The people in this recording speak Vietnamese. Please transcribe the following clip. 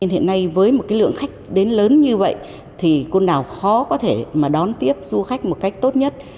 hiện nay với một lượng khách đến lớn như vậy thì con đảo khó có thể đón tiếp du khách một cách tốt nhất